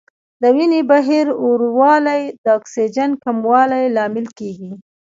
د وینې بهیر ورو والی د اکسیجن کموالي لامل کېږي.